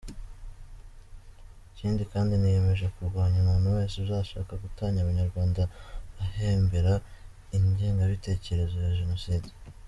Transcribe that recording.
Ikindi kandi niyemeje kurwanya umuntu wese uzashaka gutanya abanyarwanda ahembera ingengabitekerezo ya Jenoside”.